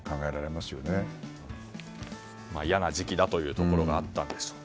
いやな時期だというところがあったんでしょう。